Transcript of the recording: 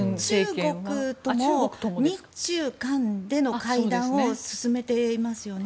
中国とも日中韓での対談を進めていますよね。